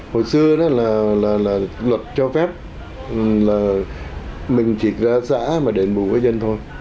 hồi xưa đó là luật cho phép là mình chỉ ra xã mà đền bù với dân thôi